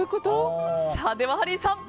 ではハリーさん